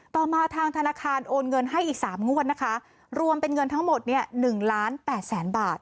ต่อมาทางธนาคารโอนเงินให้อีกสามงวดนะคะรวมเป็นเงินทั้งหมดเนี่ย๑ล้าน๘แสนบาท